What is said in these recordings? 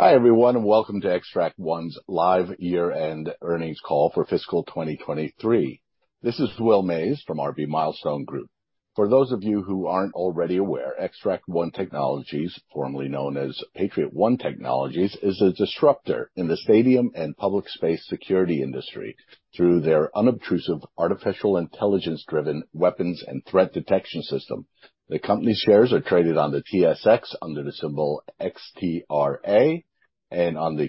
Hi, everyone, and welcome to Xtract One's live year-end earnings call for fiscal 2023. This is Will Mays from RB Milestone Group. For those of you who aren't already aware, Xtract One Technologies, formerly known as Patriot One Technologies, is a disruptor in the stadium and public space security industry through their unobtrusive artificial intelligence-driven weapons and threat detection system. The company's shares are traded on the TSX under the symbol XTRA, and on the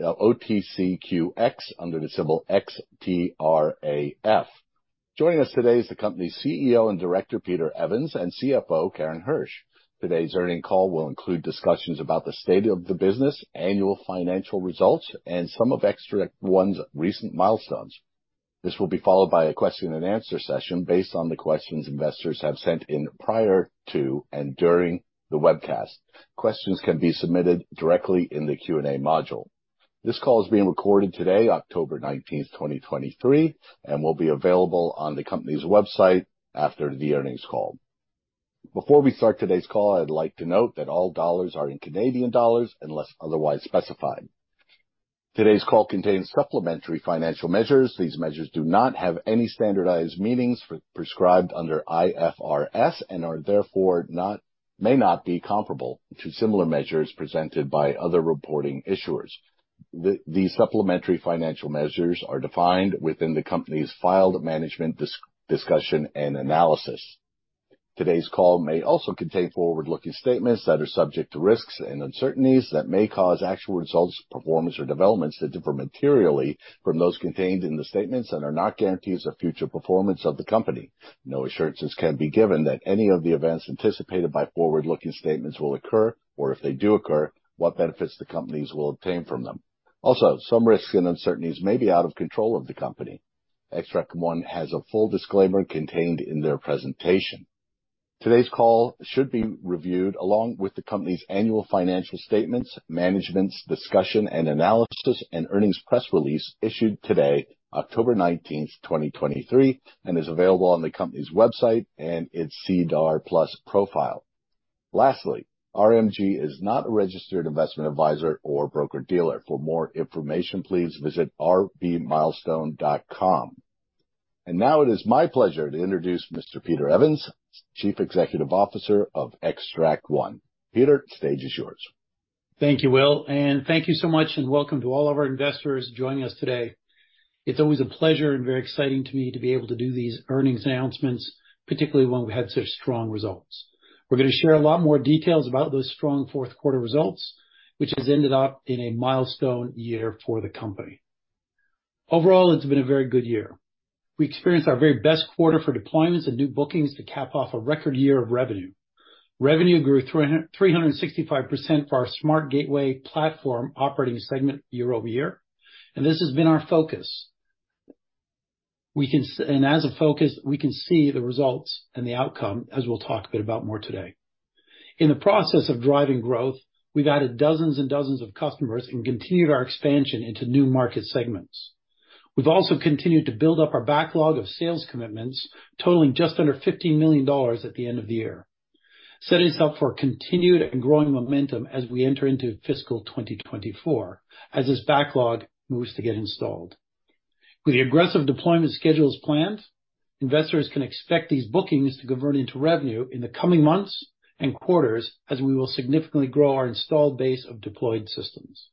OTCQX under the symbol XTRAF. Joining us today is the company's CEO and Director, Peter Evans, and CFO, Karen Hersh. Today's earnings call will include discussions about the state of the business, annual financial results, and some of Xtract One's recent milestones. This will be followed by a question and answer session based on the questions investors have sent in prior to and during the webcast. Questions can be submitted directly in the Q&A module. This call is being recorded today, October 19th, 2023, and will be available on the company's website after the earnings call. Before we start today's call, I'd like to note that all dollars are in Canadian dollars unless otherwise specified. Today's call contains supplementary financial measures. These measures do not have any standardized meanings for prescribed under IFRS and may not be comparable to similar measures presented by other reporting issuers. These supplementary financial measures are defined within the company's filed management discussion and analysis. Today's call may also contain forward-looking statements that are subject to risks and uncertainties that may cause actual results, performance, or developments to differ materially from those contained in the statements and are not guarantees of future performance of the company. No assurances can be given that any of the events anticipated by forward-looking statements will occur, or if they do occur, what benefits the companies will obtain from them. Also, some risks and uncertainties may be out of control of the company. Xtract One has a full disclaimer contained in their presentation. Today's call should be reviewed along with the company's annual financial statements, management's discussion and analysis, and earnings press release issued today, October 19th, 2023, and is available on the company's website and its SEDAR+ profile. Lastly, RBMG is not a registered investment advisor or broker-dealer. For more information, please visit rbmilestone.com. Now it is my pleasure to introduce Mr. Peter Evans, Chief Executive Officer of Xtract One. Peter, the stage is yours. Thank you, Will, and thank you so much, and welcome to all of our investors joining us today. It's always a pleasure and very exciting to me to be able to do these earnings announcements, particularly when we've had such strong results. We're going to share a lot more details about those strong fourth quarter results, which has ended up in a milestone year for the company. Overall, it's been a very good year. We experienced our very best quarter for deployments and new bookings to cap off a record year of revenue. Revenue grew 365% for our SmartGateway platform operating segment year-over-year, and this has been our focus. As a focus, we can see the results and the outcome, as we'll talk a bit about more today. In the process of driving growth, we've added dozens and dozens of customers and continued our expansion into new market segments. We've also continued to build up our backlog of sales commitments, totaling just under 15 million dollars at the end of the year, setting us up for continued and growing momentum as we enter into fiscal 2024, as this backlog moves to get installed. With the aggressive deployment schedules planned, investors can expect these bookings to convert into revenue in the coming months and quarters, as we will significantly grow our installed base of deployed systems.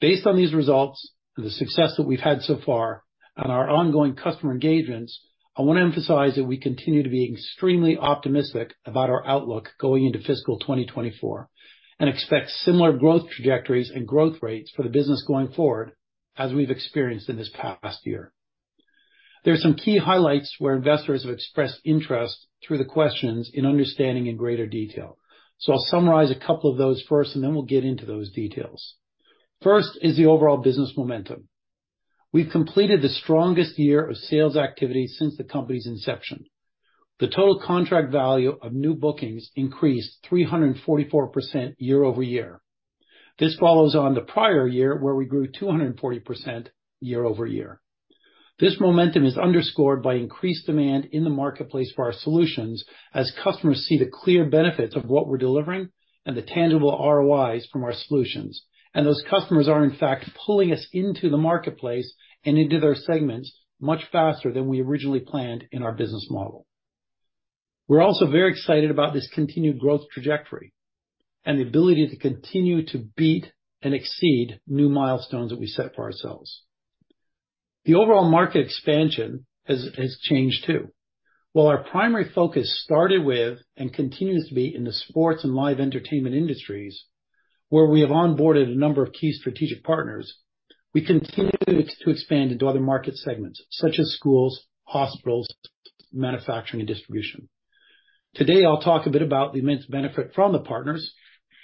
Based on these results and the success that we've had so far on our ongoing customer engagements, I want to emphasize that we continue to be extremely optimistic about our outlook going into Fiscal 2024, and expect similar growth trajectories and growth rates for the business going forward as we've experienced in this past year. There are some key highlights where investors have expressed interest through the questions in understanding in greater detail, so I'll summarize a couple of those first, and then we'll get into those details. First is the overall business momentum. We've completed the strongest year of sales activity since the company's inception. The Total Contract Value of new bookings increased 344% year-over-year. This follows on the prior year, where we grew 240% year-over-year. This momentum is underscored by increased demand in the marketplace for our solutions, as customers see the clear benefits of what we're delivering and the tangible ROIs from our solutions. Those customers are, in fact, pulling us into the marketplace and into their segments much faster than we originally planned in our business model. We're also very excited about this continued growth trajectory and the ability to continue to beat and exceed new milestones that we set for ourselves. The overall market expansion has changed, too. While our primary focus started with and continues to be in the sports and live entertainment industries, where we have onboarded a number of key strategic partners, we continue to expand into other market segments such as schools, hospitals, manufacturing, and distribution. Today, I'll talk a bit about the immense benefit from the partners,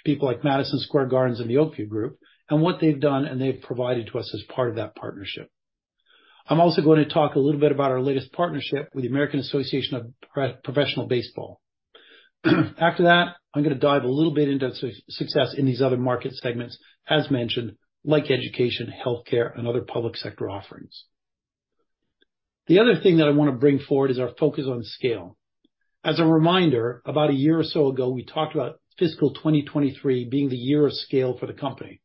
people like Madison Square Garden and the Oak View Group, and what they've done and they've provided to us as part of that partnership. I'm also going to talk a little bit about our latest partnership with the American Association of Professional Baseball. After that, I'm going to dive a little bit into success in these other market segments, as mentioned, like education, healthcare, and other public sector offerings. The other thing that I want to bring forward is our focus on scale. As a reminder, about a year or so ago, we talked about fiscal 2023 being the year of scale for the company.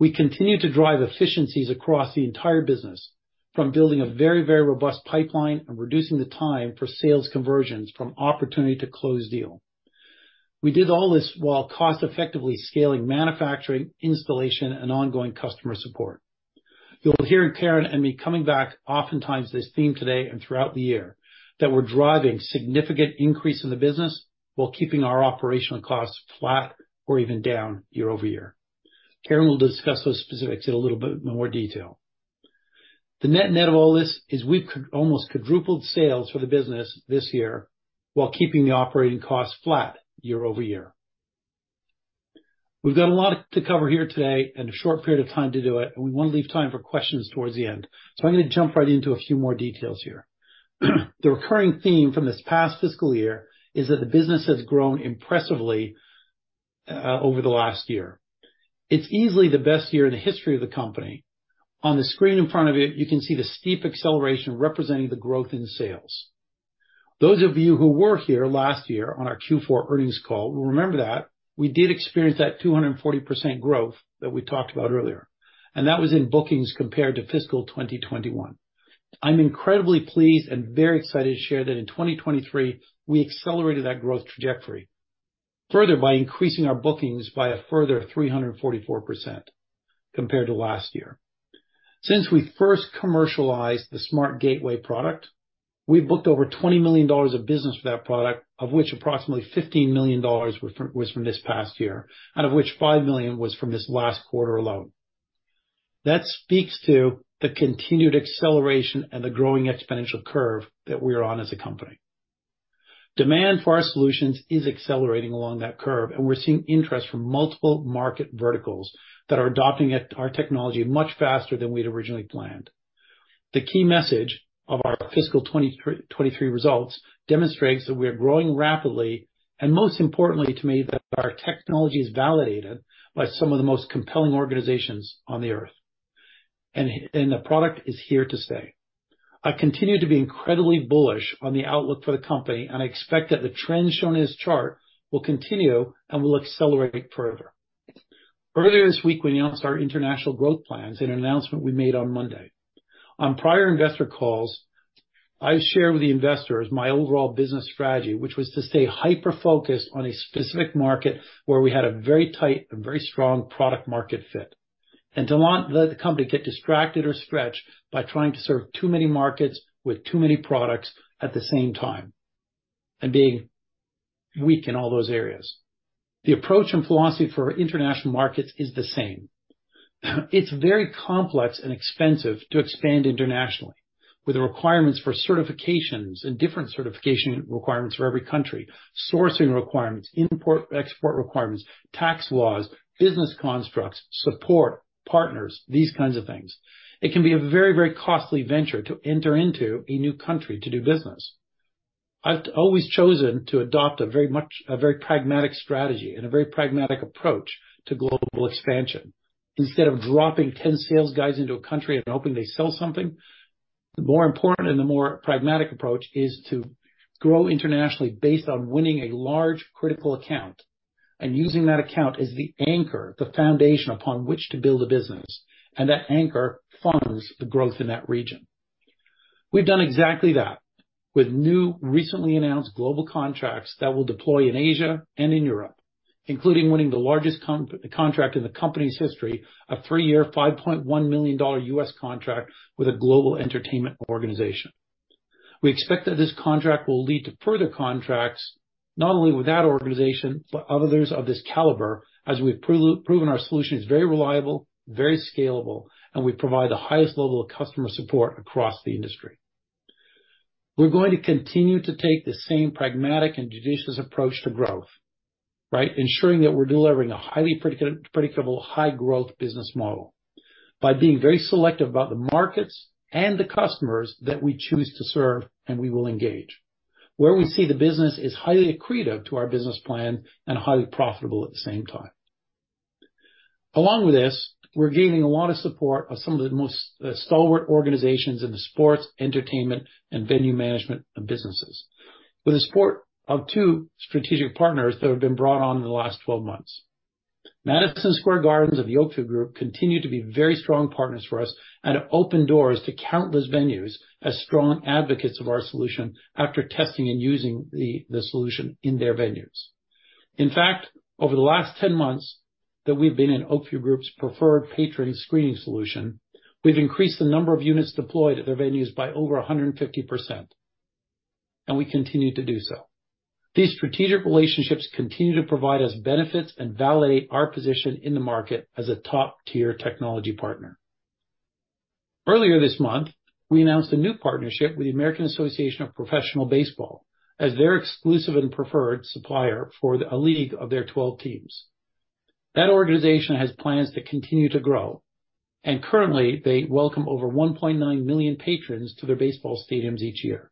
We continued to drive efficiencies across the entire business, from building a very, very robust pipeline and reducing the time for sales conversions from opportunity to close deal. We did all this while cost-effectively scaling, manufacturing, installation, and ongoing customer support. You'll hear Karen and me coming back oftentimes this theme today and throughout the year, that we're driving significant increase in the business while keeping our operational costs flat or even down year-over-year. Karen will discuss those specifics in a little bit more detail. The net-net of all this is we've almost quadrupled sales for the business this year while keeping the operating costs flat year-over-year. We've got a lot to cover here today and a short period of time to do it, and we want to leave time for questions towards the end, so I'm going to jump right into a few more details here. The recurring theme from this past fiscal year is that the business has grown impressively over the last year. It's easily the best year in the history of the company. On the screen in front of you, you can see the steep acceleration representing the growth in sales. Those of you who were here last year on our Q4 earnings call will remember that we did experience that 240% growth that we talked about earlier, and that was in bookings compared to fiscal 2021. I'm incredibly pleased and very excited to share that in 2023, we accelerated that growth trajectory further by increasing our bookings by a further 344% compared to last year. Since we first commercialized the SmartGateway product, we've booked over 20 million dollars of business for that product, of which approximately 15 million dollars was from this past year, out of which 5 million was from this last quarter alone. That speaks to the continued acceleration and the growing exponential curve that we are on as a company. Demand for our solutions is accelerating along that curve, and we're seeing interest from multiple market verticals that are adopting our technology much faster than we'd originally planned. The key message of our fiscal 2023 results demonstrates that we are growing rapidly, and most importantly, to me, that our technology is validated by some of the most compelling organizations on the Earth, and the product is here to stay. I continue to be incredibly bullish on the outlook for the company, and I expect that the trends shown in this chart will continue and will accelerate further. Earlier this week, we announced our international growth plans in an announcement we made on Monday. On prior investor calls, I shared with the investors my overall business strategy, which was to stay hyper-focused on a specific market where we had a very tight and very strong product-market fit, and to not let the company get distracted or stretched by trying to serve too many markets with too many products at the same time and being weak in all those areas. The approach and philosophy for our international markets is the same. It's very complex and expensive to expand internationally with the requirements for certifications and different certification requirements for every country, sourcing requirements, import-export requirements, tax laws, business constructs, support, partners, these kinds of things. It can be a very, very costly venture to enter into a new country to do business. I've always chosen to adopt a very pragmatic strategy and a very pragmatic approach to global expansion. Instead of dropping 10 sales guys into a country and hoping they sell something, the more important and the more pragmatic approach is to grow internationally based on winning a large critical account and using that account as the anchor, the foundation upon which to build a business, and that anchor funds the growth in that region. We've done exactly that with new, recently announced global contracts that will deploy in Asia and in Europe, including winning the largest contract in the company's history, a three-year, $5.1 million U.S. contract with a global entertainment organization. We expect that this contract will lead to further contracts, not only with that organization, but others of this caliber, as we've proven our solution is very reliable, very scalable, and we provide the highest level of customer support across the industry. We're going to continue to take the same pragmatic and judicious approach to growth, right? Ensuring that we're delivering a highly predictable, high-growth business model by being very selective about the markets and the customers that we choose to serve and we will engage, where we see the business is highly accretive to our business plan and highly profitable at the same time. Along with this, we're gaining a lot of support of some of the most stalwart organizations in the sports, entertainment, and venue management and businesses. With the support of two strategic partners that have been brought on in the last 12 months, Madison Square Garden and the Oak View Group continue to be very strong partners for us and have opened doors to countless venues as strong advocates of our solution after testing and using the solution in their venues. In fact, over the last 10 months that we've been in Oak View Group's preferred patron screening solution, we've increased the number of units deployed at their venues by over 150%, and we continue to do so. These strategic relationships continue to provide us benefits and validate our position in the market as a top-tier technology partner. Earlier this month, we announced a new partnership with the American Association of Professional Baseball as their exclusive and preferred supplier for a league of their 12 teams. That organization has plans to continue to grow, and currently, they welcome over 1.9 million patrons to their baseball stadiums each year.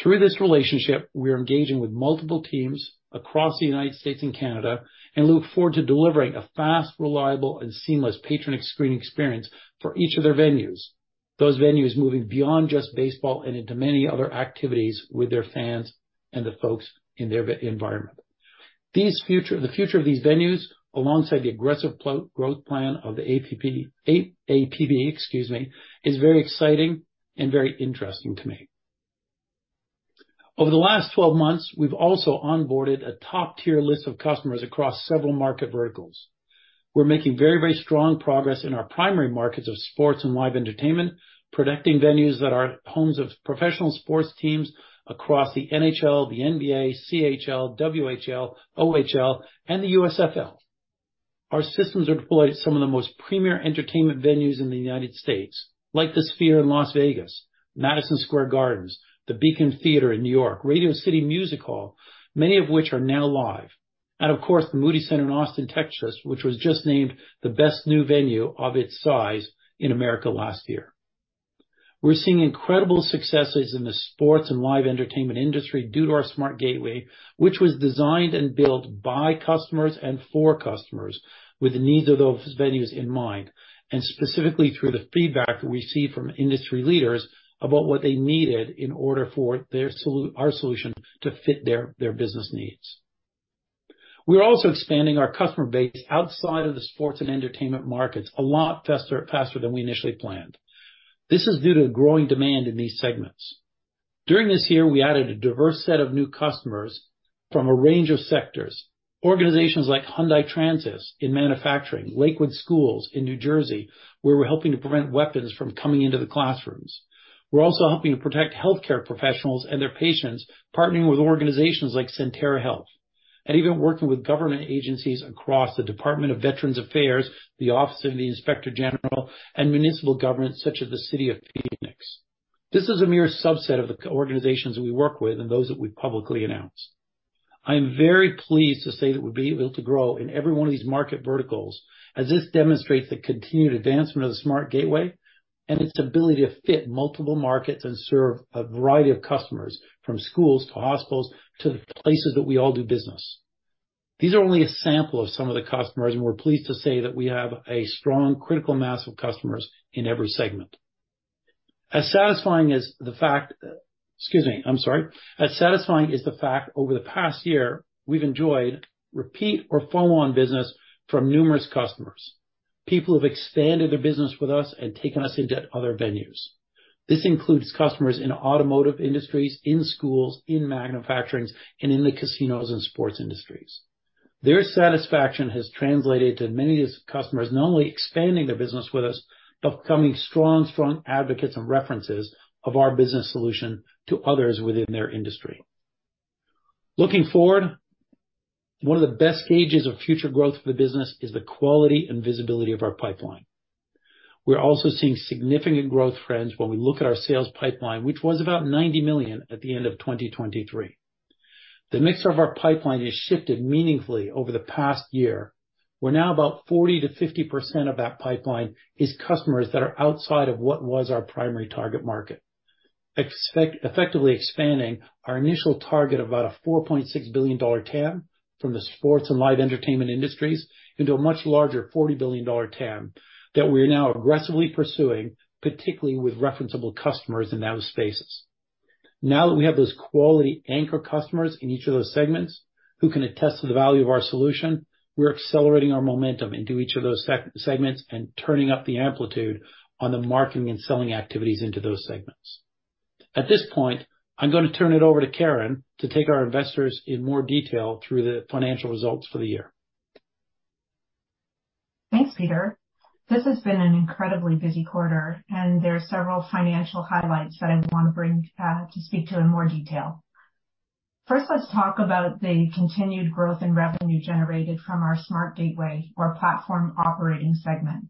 Through this relationship, we are engaging with multiple teams across the United States and Canada, and look forward to delivering a fast, reliable, and seamless patron screening experience for each of their venues. Those venues moving beyond just baseball and into many other activities with their fans and the folks in their environment. The future of these venues, alongside the aggressive growth plan of the APP, APB, excuse me, is very exciting and very interesting to me. Over the last 12 months, we've also onboarded a top-tier list of customers across several market verticals. We're making very, very strong progress in our primary markets of sports and live entertainment, protecting venues that are homes of professional sports teams across the NHL, the NBA, CHL, WHL, OHL, and the USFL. Our systems are deployed at some of the most premier entertainment venues in the United States, like the Sphere in Las Vegas, Madison Square Garden, the Beacon Theatre in New York, Radio City Music Hall, many of which are now live. And of course, the Moody Center in Austin, Texas, which was just named the best new venue of its size in America last year. We're seeing incredible successes in the sports and live entertainment industry due to our SmartGateway, which was designed and built by customers and for customers with the needs of those venues in mind, and specifically through the feedback that we receive from industry leaders about what they needed in order for our solution to fit their business needs. We're also expanding our customer base outside of the sports and entertainment markets a lot faster than we initially planned. This is due to growing demand in these segments. During this year, we added a diverse set of new customers from a range of sectors. Organizations like Hyundai Transys in manufacturing, Lakewood Schools in New Jersey, where we're helping to prevent weapons from coming into the classrooms. We're also helping to protect healthcare professionals and their patients, partnering with organizations like Sentara Health, and even working with government agencies across the Department of Veterans Affairs, the Office of the Inspector General, and municipal governments such as the City of Phoenix. This is a mere subset of the organizations we work with and those that we've publicly announced. I am very pleased to say that we've been able to grow in every one of these market verticals, as this demonstrates the continued advancement of the SmartGateway and its ability to fit multiple markets and serve a variety of customers, from schools, to hospitals, to the places that we all do business. These are only a sample of some of the customers, and we're pleased to say that we have a strong critical mass of customers in every segment. As satisfying is the fact, excuse me I'm sorry, as satisfying is the fact, over the past year, we've enjoyed repeat or follow-on business from numerous customers. People have expanded their business with us and taken us into other venues. This includes customers in automotive industries, in schools, in manufacturing, and in the casinos and sports industries. Their satisfaction has translated to many of these customers not only expanding their business with us, but becoming strong, strong advocates and references of our business solution to others within their industry. Looking forward, one of the best gauges of future growth of the business is the quality and visibility of our pipeline. We're also seeing significant growth trends when we look at our sales pipeline, which was about 90 million at the end of 2023. The mix of our pipeline has shifted meaningfully over the past year, where now about 40%-50% of that pipeline is customers that are outside of what was our primary target market, effectively expanding our initial target of about a 4.6 billion dollar TAM from the sports and live entertainment industries into a much larger 40 billion dollar TAM that we are now aggressively pursuing, particularly with referenceable customers in those spaces. Now that we have those quality anchor customers in each of those segments, who can attest to the value of our solution, we're accelerating our momentum into each of those segments and turning up the amplitude on the marketing and selling activities into those segments. At this point, I'm going to turn it over to Karen to take our investors in more detail through the financial results for the year. Thanks, Peter. This has been an incredibly busy quarter, and there are several financial highlights that I want to speak to in more detail. First, let's talk about the continued growth in revenue generated from our SmartGateway or platform operating segment.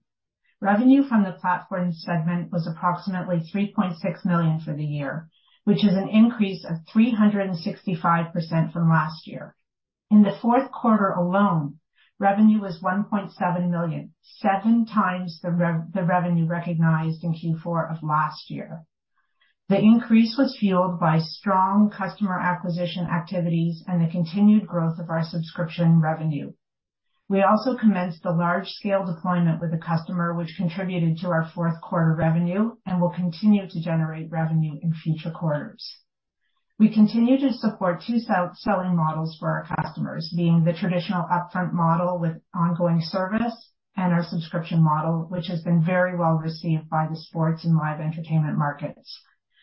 Revenue from the platform segment was approximately 3.6 million for the year, which is an increase of 365% from last year. In the fourth quarter alone, revenue was 1.7 million, 7x the revenue recognized in Q4 of last year. The increase was fueled by strong customer acquisition activities and the continued growth of our subscription revenue. We also commenced a large-scale deployment with a customer, which contributed to our fourth quarter revenue and will continue to generate revenue in future quarters. We continue to support two selling models for our customers, being the traditional upfront model with ongoing service and our subscription model, which has been very well received by the sports and live entertainment markets.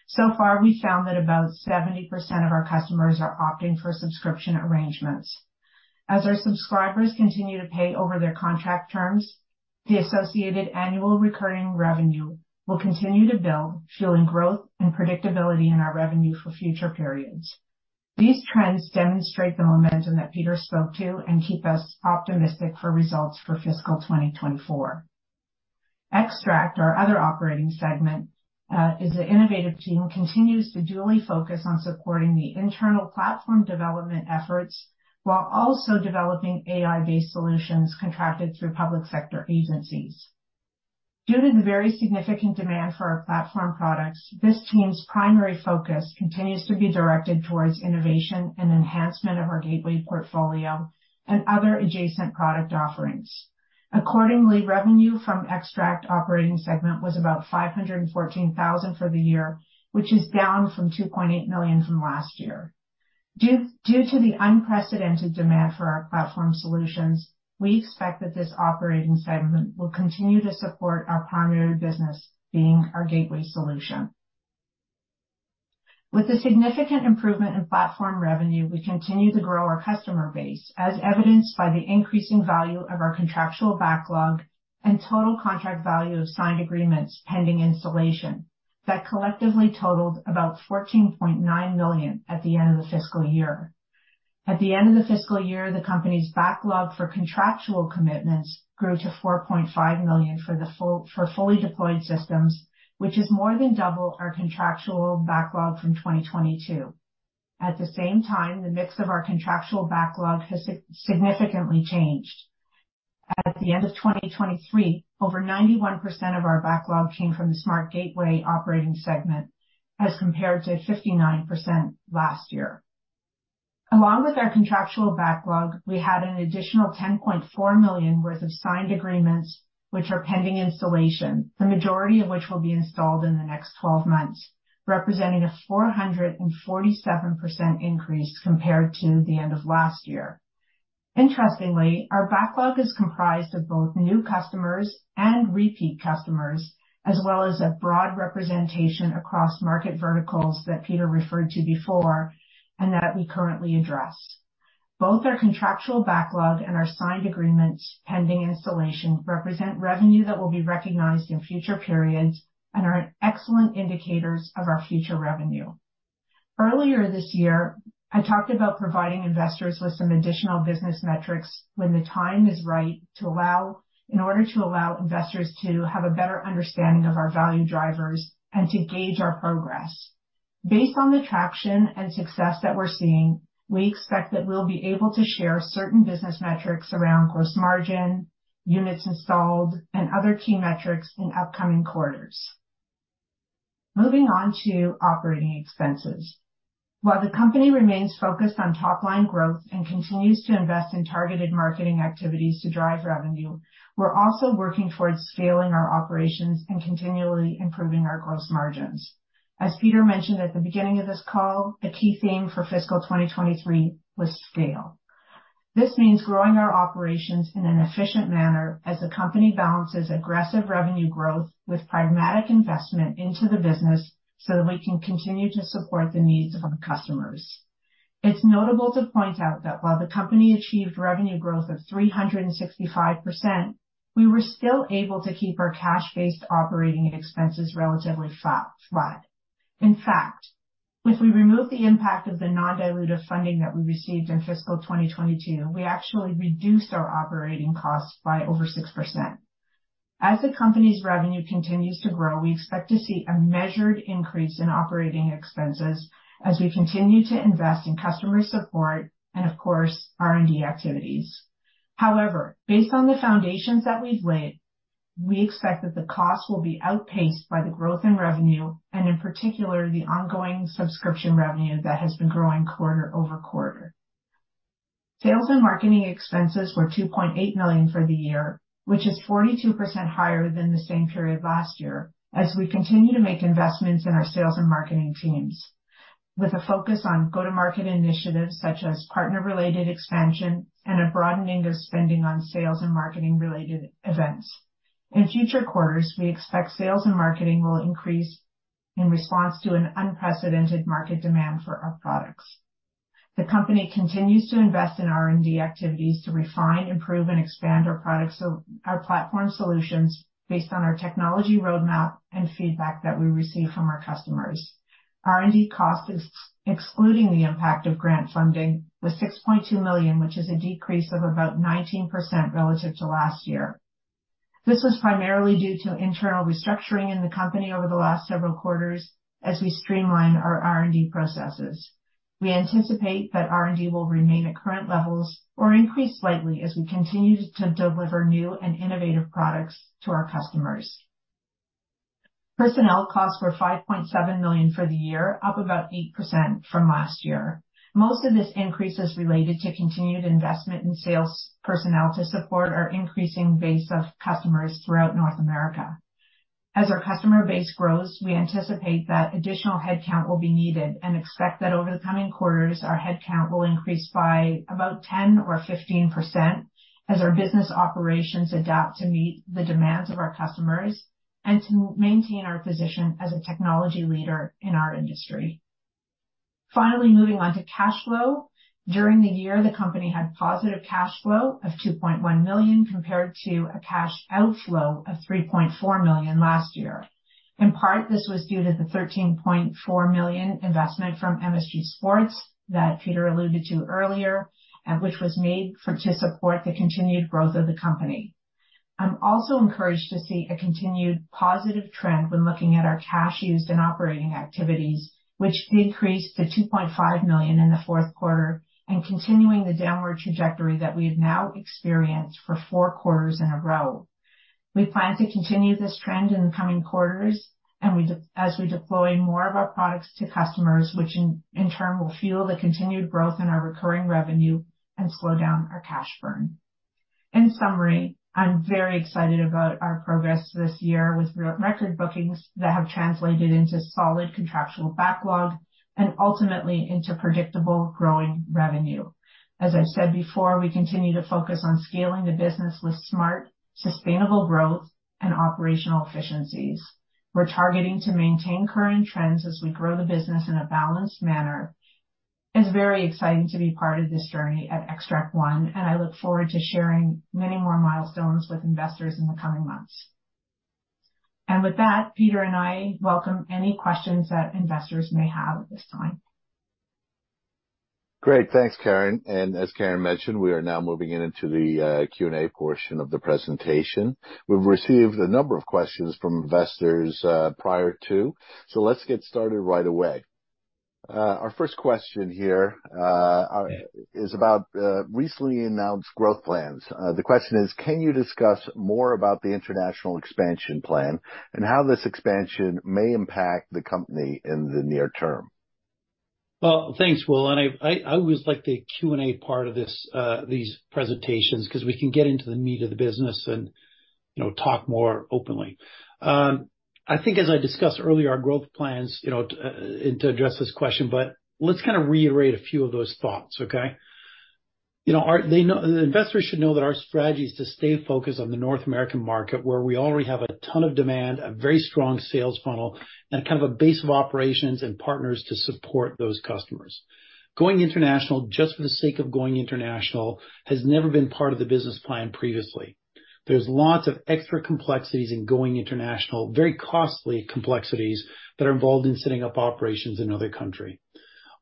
So far, we found that about 70% of our customers are opting for subscription arrangements. As our subscribers continue to pay over their contract terms, the associated Annual Recurring Revenue will continue to build, fueling growth and predictability in our revenue for future periods. These trends demonstrate the momentum that Peter spoke to and keep us optimistic for results for fiscal 2024. Xtract, our other operating segment, is an innovative team, continues to duly focus on supporting the internal platform development efforts while also developing AI based solutions contracted through public sector agencies. Due to the very significant demand for our platform products, this team's primary focus continues to be directed towards innovation and enhancement of our gateway portfolio and other adjacent product offerings. Accordingly, revenue from Xtract operating segment was about 514,000 for the year, which is down from 2.8 million from last year. Due to the unprecedented demand for our platform solutions, we expect that this operating segment will continue to support our primary business, being our gateway solution. With a significant improvement in platform revenue, we continue to grow our customer base, as evidenced by the increasing value of our contractual backlog and total contract value of signed agreements pending installation, that collectively totaled about 14.9 million at the end of the fiscal year. At the end of the fiscal year, the company's backlog for contractual commitments grew to 4.5 million for fully deployed systems, which is more than double our contractual backlog from 2022. At the same time, the mix of our contractual backlog has significantly changed. At the end of 2023, over 91% of our backlog came from the SmartGateway operating segment, as compared to 59% last year. Along with our contractual backlog, we had an additional 10.4 million worth of signed agreements, which are pending installation, the majority of which will be installed in the next 12 months, representing a 447% increase compared to the end of last year. Interestingly, our backlog is comprised of both new customers and repeat customers, as well as a broad representation across market verticals that Peter referred to before and that we currently address. Both our contractual backlog and our signed agreements pending installation represent revenue that will be recognized in future periods and are excellent indicators of our future revenue. Earlier this year, I talked about providing investors with some additional business metrics when the time is right, to allow, in order to allow investors to have a better understanding of our value drivers and to gauge our progress. Based on the traction and success that we're seeing, we expect that we'll be able to share certain business metrics around gross margin, units installed, and other key metrics in upcoming quarters. Moving on to operating expenses. While the company remains focused on top-line growth and continues to invest in targeted marketing activities to drive revenue, we're also working towards scaling our operations and continually improving our gross margins. As Peter mentioned at the beginning of this call, a key theme for fiscal 2023 was scale. This means growing our operations in an efficient manner as the company balances aggressive revenue growth with pragmatic investment into the business, so that we can continue to support the needs of our customers. It's notable to point out that while the company achieved revenue growth of 365%, we were still able to keep our cash-based operating expenses relatively flat, flat. In fact, if we remove the impact of the non-dilutive funding that we received in fiscal 2022, we actually reduced our operating costs by over 6%. As the company's revenue continues to grow, we expect to see a measured increase in operating expenses as we continue to invest in customer support and, of course, R&D activities. However, based on the foundations that we've laid, we expect that the costs will be outpaced by the growth in revenue, and in particular, the ongoing subscription revenue that has been growing quarter-over-quarter. Sales and marketing expenses were 2.8 million for the year, which is 42% higher than the same period last year. As we continue to make investments in our sales and marketing teams, with a focus on go-to-market initiatives such as partner-related expansion and a broadening of spending on sales and marketing-related events. In future quarters, we expect sales and marketing will increase in response to an unprecedented market demand for our products. The company continues to invest in R&D activities to refine, improve, and expand our products, so our platform solutions, based on our technology roadmap and feedback that we receive from our customers. R&D cost is excluding the impact of grant funding, was 6.2 million, which is a decrease of about 19% relative to last year. This was primarily due to internal restructuring in the company over the last several quarters as we streamline our R&D processes. We anticipate that R&D will remain at current levels or increase slightly as we continue to deliver new and innovative products to our customers. Personnel costs were 5.7 million for the year, up about 8% from last year. Most of this increase is related to continued investment in sales personnel to support our increasing base of customers throughout North America. As our customer base grows, we anticipate that additional headcount will be needed and expect that over the coming quarters, our headcount will increase by about 10% or 15%, as our business operations adapt to meet the demands of our customers and to maintain our position as a technology leader in our industry. Finally, moving on to cash flow. During the year, the company had positive cash flow of 2.1 million, compared to a cash outflow of 3.4 million last year. In part, this was due to the 13.4 million investment from MSG Sports that Peter alluded to earlier, and which was made to support the continued growth of the company. I'm also encouraged to see a continued positive trend when looking at our cash used in operating activities, which decreased to 2.5 million in the fourth quarter, and continuing the downward trajectory that we've now experienced for four quarters in a row. We plan to continue this trend in the coming quarters, and as we deploy more of our products to customers, which in turn will fuel the continued growth in our recurring revenue and slow down our cash burn. In summary, I'm very excited about our progress this year with record bookings that have translated into solid contractual backlog and ultimately into predictable growing revenue. As I've said before, we continue to focus on scaling the business with smart, sustainable growth and operational efficiencies. We're targeting to maintain current trends as we grow the business in a balanced manner. It's very exciting to be part of this journey at Xtract One, and I look forward to sharing many more milestones with investors in the coming months. And with that, Peter and I welcome any questions that investors may have at this time. Great. Thanks, Karen. As Karen mentioned, we are now moving into the Q&A portion of the presentation. We've received a number of questions from investors prior to, so let's get started right away. Our first question here is about recently announced growth plans. The question is: Can you discuss more about the international expansion plan, and how this expansion may impact the company in the near term? Well, thanks, Will. I always like the Q&A part of these presentations, 'cause we can get into the meat of the business and, you know, talk more openly. I think as I discussed earlier, our growth plans, you know, and to address this question, but let's kind of reiterate a few of those thoughts, okay? You know, investors should know that our strategy is to stay focused on the North American market, where we already have a ton of demand, a very strong sales funnel, and kind of a base of operations and partners to support those customers. Going international just for the sake of going international has never been part of the business plan previously. There's lots of extra complexities in going international, very costly complexities, that are involved in setting up operations in another country.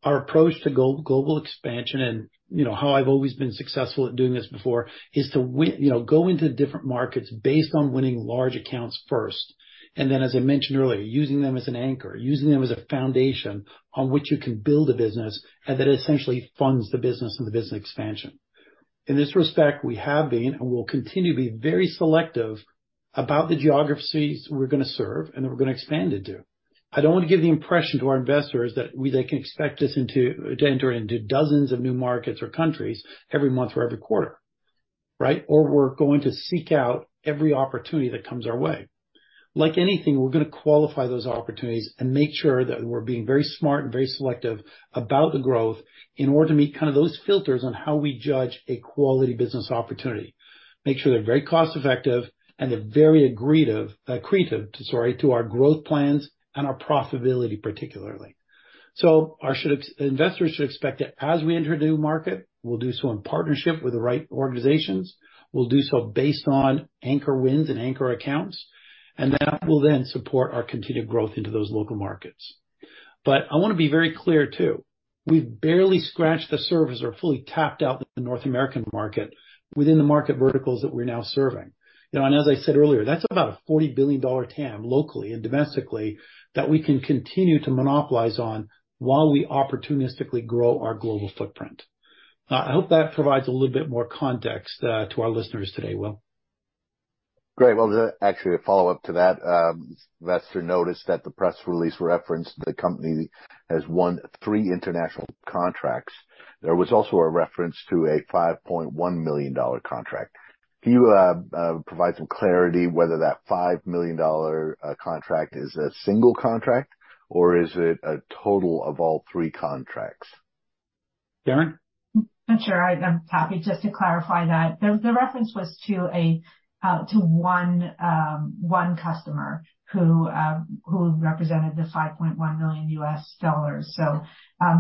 Our approach to global expansion, and, you know, how I've always been successful at doing this before, is to win, you know, go into different markets based on winning large accounts first. As I mentioned earlier, using them as an anchor, using them as a foundation on which you can build a business, and that essentially funds the business and the business expansion. In this respect, we have been and will continue to be very selective about the geographies we're gonna serve and that we're gonna expand into. I don't want to give the impression to our investors that they can expect us to enter into dozens of new markets or countries every month or every quarter, right? Or we're going to seek out every opportunity that comes our way. Like anything, we're gonna qualify those opportunities and make sure that we're being very smart and very selective about the growth in order to meet kind of those filters on how we judge a quality business opportunity. Make sure they're very cost-effective and they're very accretive to our growth plans and our profitability, particularly. So investors should expect that as we enter a new market, we'll do so in partnership with the right organizations. We'll do so based on anchor wins and anchor accounts, and that will then support our continued growth into those local markets. I wanna be very clear, too. We've barely scratched the surface or fully tapped out in the North American market within the market verticals that we're now serving. You know, and as I said earlier, that's about a 40 billion-dollar TAM, locally and domestically, that we can continue to monopolize on while we opportunistically grow our global footprint. I hope that provides a little bit more context to our listeners today, Will. Great. Well, actually, a follow-up to that, investor noticed that the press release referenced the company has won three international contracts. There was also a reference to a 5.1 million dollar contract. Can you provide some clarity whether that 5 million dollar contract is a single contract or is it a total of all three contracts? Karen? Sure, I'm happy just to clarify that. The reference was to one, one customer who, who represented the CAD 5.1 million.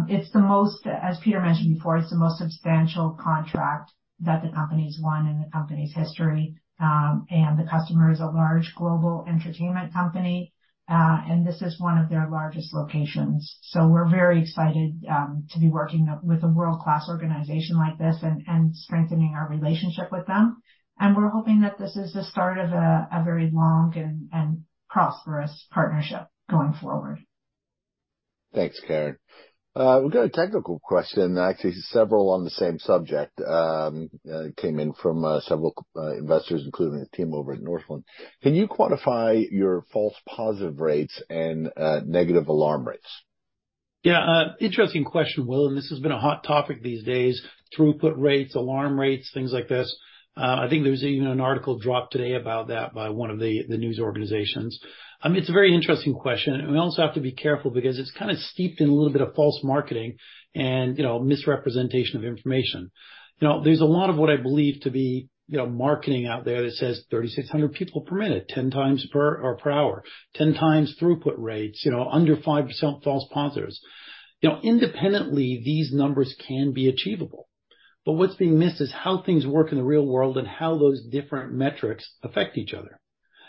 It's the most, as Peter mentioned before, it's the most substantial contract that the company's won in the company's history. And the customer is a large global entertainment company, and this is one of their largest locations. So we're very excited to be working with a world-class organization like this and strengthening our relationship with them. And we're hoping that this is the start of a very long and prosperous partnership going forward. Thanks, Karen. We've got a technical question, actually, several on the same subject. It came in from several investors, including the team over at Northland. Can you quantify your false positive rates and negative alarm rates? Yeah, interesting question, Will, and this has been a hot topic these days, throughput rates, alarm rates, things like this. I think there was even an article dropped today about that by one of the news organizations. I mean it's a very interesting question, and we also have to be careful because it's kind of steeped in a little bit of false marketing and, you know, misrepresentation of information. You know, there's a lot of what I believe to be, you know, marketing out there that says 3,600 people per minute, 10 times per or per hour, 10 times throughput rates, you know, under 5% false positives. You know, independently, these numbers can be achievable, but what's being missed is how things work in the real world and how those different metrics affect each other.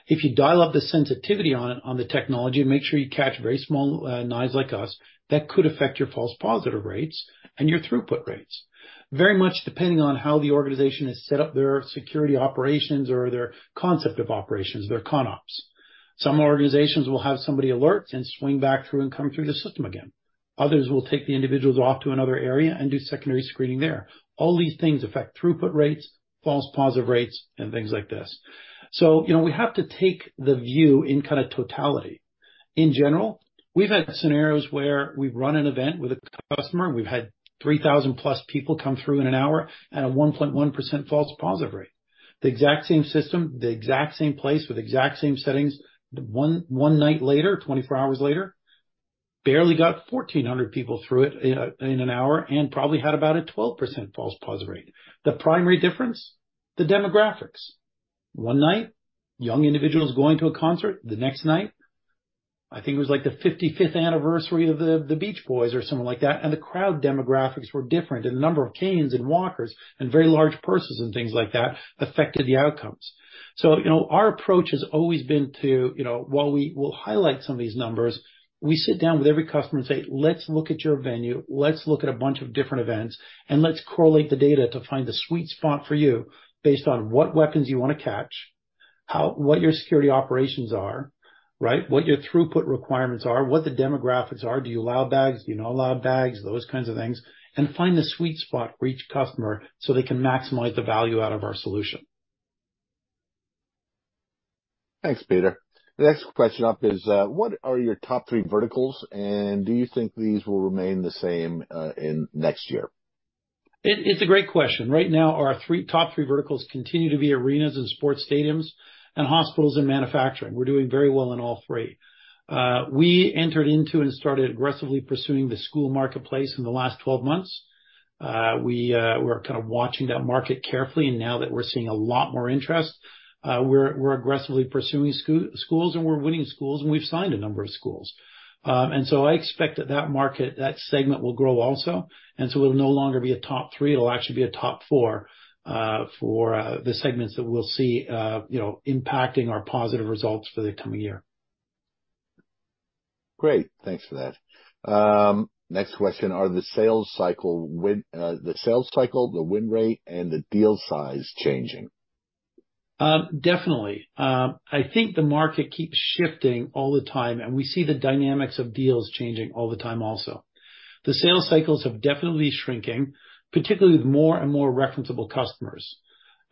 If you dial up the sensitivity on it, on the technology, make sure you catch very small knives like us, that could affect your false positive rates and your throughput rates. Very much depending on how the organization has set up their security operations or their concept of operations, their ConOps. Some organizations will have somebody alert and swing back through and come through the system again. Others will take the individuals off to another area and do secondary screening there. All these things affect throughput rates, false positive rates, and things like this. So you know, we have to take the view in kind of totality. In general, we've had scenarios where we've run an event with a customer, we've had 3,000+ people come through in an hour at a 1.1% false positive rate. The exact same system, the exact same place with the exact same settings, one night later, 24 hours later, barely got 1,400 people through it in an hour, and probably had about a 12% false positive rate. The primary difference, the demographics. One night, young individuals going to a concert. The next night, I think it was like the 55th anniversary of the Beach Boys or something like that, and the crowd demographics were different, and the number of canes and walkers and very large purses and things like that affected the outcomes. So, you know, our approach has always been to, you know, while we will highlight some of these numbers, we sit down with every customer and say: Let's look at your venue, let's look at a bunch of different events, and let's correlate the data to find the sweet spot for you based on what weapons you wanna catch, what your security operations are, right? What your throughput requirements are, what the demographics are. Do you allow bags? Do you not allow bags? Those kinds of things, and find the sweet spot for each customer so they can maximize the value out of our solution. Thanks, Peter. The next question up is what are your top three verticals, and do you think these will remain the same in next year? It's a great question. Right now, our top three verticals continue to be arenas and sports stadiums and hospitals and manufacturing. We're doing very well in all three. We entered into and started aggressively pursuing the school marketplace in the last 12 months. We're kind of watching that market carefully, and now that we're seeing a lot more interest, we're aggressively pursuing schools, and we're winning schools, and we've signed a number of schools. And so I expect that market, that segment will grow also, and so it'll no longer be a top three. It'll actually be a top four for the segments that we'll see, you know, impacting our positive results for the coming year. Great. Thanks for that. Next question. Are the sales cycle, win, the sales cycle, the win rate, and the deal size changing? Definitely. I think the market keeps shifting all the time, and we see the dynamics of deals changing all the time also. The sales cycles have definitely shrinking, particularly with more and more referenceable customers.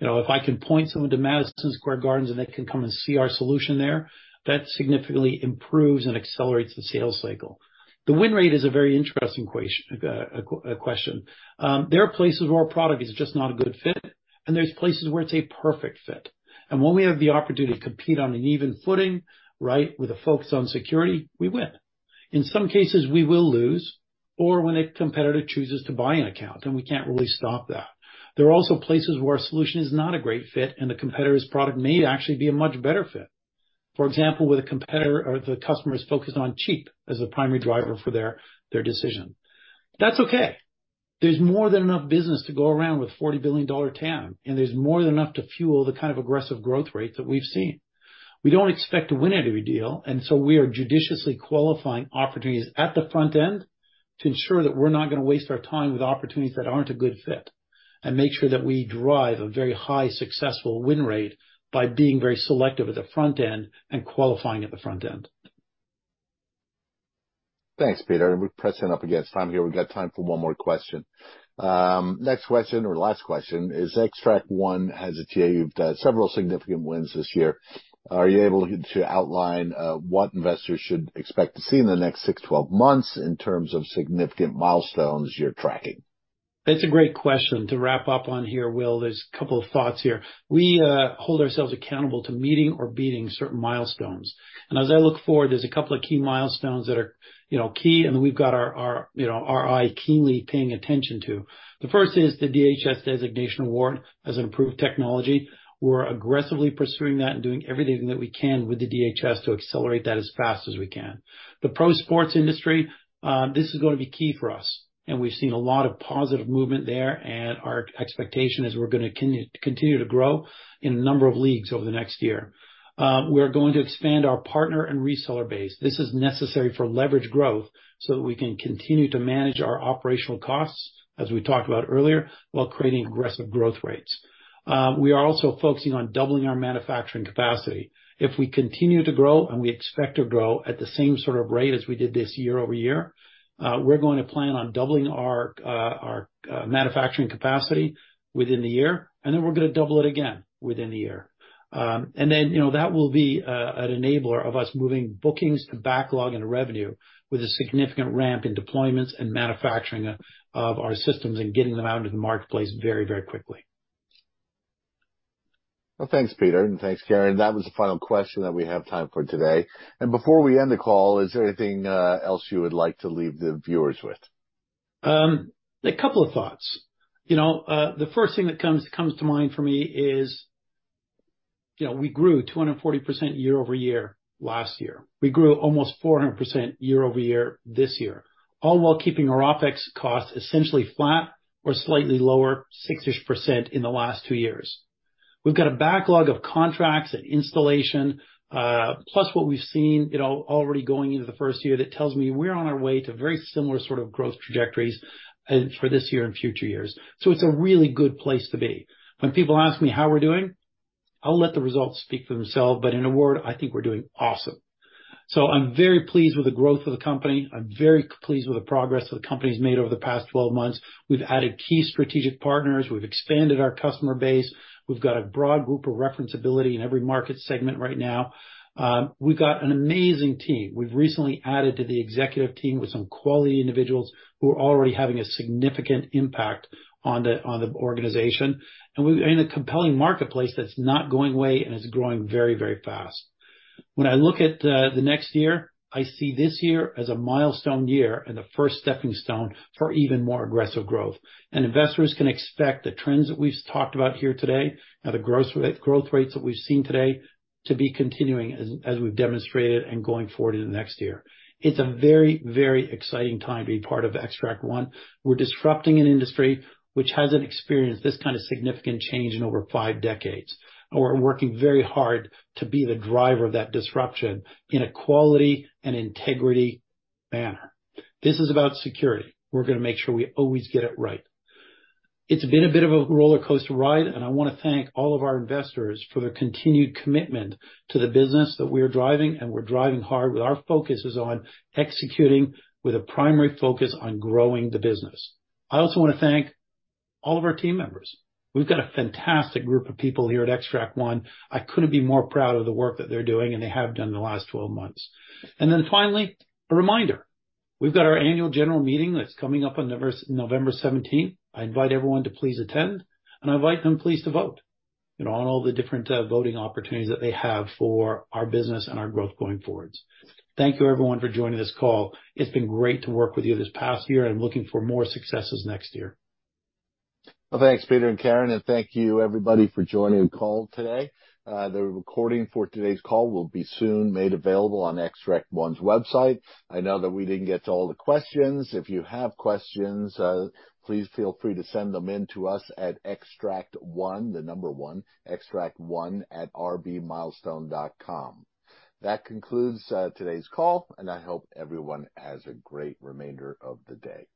You know, if I can point someone to Madison Square Garden and they can come and see our solution there, that significantly improves and accelerates the sales cycle. The win rate is a very interesting question. There are places where our product is just not a good fit, and there's places where it's a perfect fit, and when we have the opportunity to compete on an even footing, right, with a focus on security, we win. In some cases, we will lose, or when a competitor chooses to buy an account, and we can't really stop that. There are also places where our solution is not a great fit, and the competitor's product may actually be a much better fit. For example, with a competitor or the customer is focused on cheap as a primary driver for their their decision. That's okay. There's more than enough business to go around with $40 billion TAM, and there's more than enough to fuel the kind of aggressive growth rate that we've seen. We don't expect to win every deal, and so we are judiciously qualifying opportunities at the front end to ensure that we're not gonna waste our time with opportunities that aren't a good fit, and make sure that we drive a very high successful win rate by being very selective at the front end and qualifying at the front end. Thanks, Peter. We're pressing up against time here. We've got time for one more question. Next question or last question is, Xtract One has achieved several significant wins this year. Are you able to outline what investors should expect to see in the next 6-12 months in terms of significant milestones you're tracking? That's a great question to wrap up on here, Will. There's a couple of thoughts here. We hold ourselves accountable to meeting or beating certain milestones. As I look forward, there's a couple of key milestones that are, you know, key, and we've got, you know, our eye keenly paying attention to. The first is the DHS designation award as an approved technology. We're aggressively pursuing that and doing everything that we can with the DHS to accelerate that as fast as we can. The pro sports industry, this is going to be key for us. And we've seen a lot of positive movement there, and our expectation is we're gonna continue to grow in a number of leagues over the next year. We're going to expand our partner and reseller base. This is necessary for leverage growth so that we can continue to manage our operational costs, as we talked about earlier, while creating aggressive growth rates. We are also focusing on doubling our manufacturing capacity. If we continue to grow, and we expect to grow at the same sort of rate as we did this year-over-year, we're gonna plan on doubling our manufacturing capacity within the year, and then we're gonna double it again within the year. And then, you know, that will be an enabler of us moving bookings to backlog and revenue with a significant ramp in deployments and manufacturing of our systems and getting them out into the marketplace very, very quickly. Well, thanks, Peter, and thanks, Karen. That was the final question that we have time for today. And before we end the call, is there anything else you would like to leave the viewers with? A couple of thoughts. You know, the first thing that comes to mind for me is, yeah, we grew 240% year-over-year last year. We grew almost 400% year-over-year this year, all while keeping our OpEx costs essentially flat or slightly lower, 6% in the last two years. We've got a backlog of contracts and installation plus what we've seen, it all already going into the first year. That tells me we're on our way to very similar sort of growth trajectories for this year and future years. It's a really good place to be. When people ask me how we're doing, I'll let the results speak for themselves. In a word, I think we're doing awesome. I'm very pleased with the growth of the company. I'm very pleased with the progress that the company's made over the past 12 months. We've added key strategic partners. We've expanded our customer base. We've got a broad group of referenceability in every market segment right now. We've got an amazing team. We've recently added to the executive team with some quality individuals who are already having a significant impact on the organization, and we're in a compelling marketplace that's not going away and is growing very, very fast. When I look at the next year, I see this year as a milestone year and the first stepping stone for even more aggressive growth. And investors can expect the trends that we start about here today and the growth, the growth rates that we've seen today to be continuing as we demonstrated and going forward to the next year. It's a very, very exciting time to be part of Xtract One. We're disrupting an industry which hasn't experienced this kind of significant change in over five decades, and we're working very hard to be the driver of that disruption in a quality and integrity manner. This is about security. We're gonna make sure we always get it right. It's been a bit of a roller coaster ride, and I want to thank all of our investors for their continued commitment to the business that we're driving, and we're driving hard, with our focuses on executing, with a primary focus on growing the business. I also want to thank all of our team members. We've got a fantastic group of people here at Xtract One. I couldn't be more proud of the work that they're doing, and they have done in the last 12 months. And then finally, a reminder, we've got our annual general meeting that's coming up on November 17th. I invite everyone to please attend, and I invite them please to vote, you know, on all the different voting opportunities that they have for our business and our growth going forwards. Thank you, everyone, for joining this call. It's been great to work with you this past year. I'm looking for more successes next year. Well, thanks, Peter and Karen, and thank you, everybody, for joining the call today. The recording for today's call will be soon made available on Xtract One's website. I know that we didn't get to all the questions. If you have questions, please feel free to send them in to us at Xtract One, the number one, xtract1@rbmilestone.com. That concludes today's call, and I hope everyone has a great remainder of the day.